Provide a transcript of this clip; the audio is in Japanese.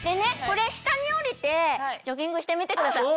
これ下におりてジョギングしてみてください。